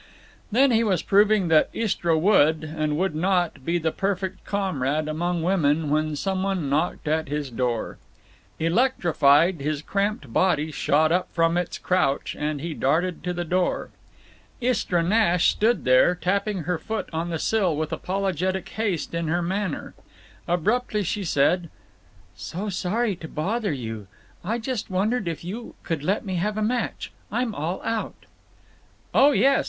Then he was proving that Istra would, and would not, be the perfect comrade among women when some one knocked at his door. Electrified, his cramped body shot up from its crouch, and he darted to the door. Istra Nash stood there, tapping her foot on the sill with apologetic haste in her manner. Abruptly she said: "So sorry to bother you. I just wondered if you could let me have a match? I'm all out." "Oh _yes!